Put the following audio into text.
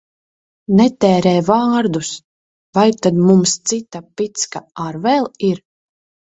Netērē vārdus! Vai tad mums cita picka ar vēl ir?